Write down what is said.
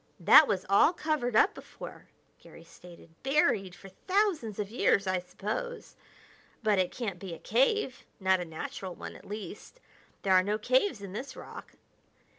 "That was all covered up before," Garry stated; "buried for thousands of years, I suppose. But it can't be a cave; not a natural one, at least. There are no caves in this rock."